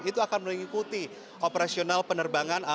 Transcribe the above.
itu akan mengikuti operasional penerbangan